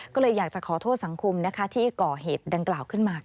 ก็เลยอยากจะขอโทษสังคมนะคะที่ก่อเหตุดังกล่าวขึ้นมา